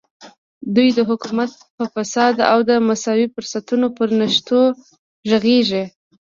دوی د حکومت په فساد او د مساوي فرصتونو پر نشتون غږېږي.